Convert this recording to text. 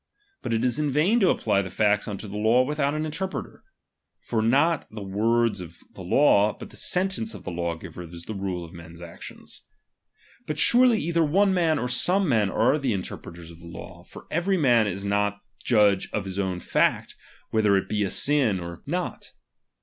But it is in vain to apply the facts unto the law without an interpreter : for not the words of the law, but the sentence of the law giver is the rule of men's ae ■ tions. Biit surely either one man, or some men ] are the interpreters of the law ; for every man is J Hot judge of his own fact, whether it be a sin or 1 386 RELIGION, CHAP. XVII. not.